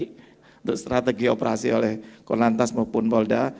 untuk strategi operasi oleh korn lantas maupun polda